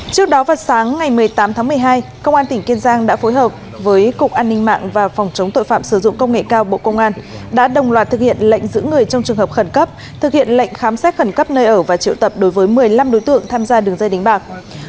trước đó vào sáng ngày một mươi tám tháng một mươi hai công an tỉnh kiên giang đã phối hợp với cục an ninh mạng và phòng chống tội phạm sử dụng công nghệ cao bộ công an đã đồng loạt thực hiện lệnh giữ người trong trường hợp khẩn cấp thực hiện lệnh khám xét khẩn cấp nơi ở và triệu tập đối với một mươi năm đối tượng tham gia đường dây đánh bạc